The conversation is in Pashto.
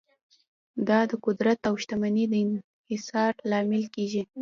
دا د قدرت او شتمنۍ د انحصار لامل کیږي.